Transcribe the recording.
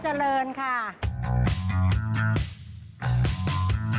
มาดีค่ะเอาของตอบหลานเชิงเลยค่ะ